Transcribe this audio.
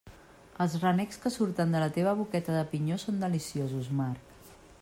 Els renecs que surten de la teva boqueta de pinyó són deliciosos, Marc.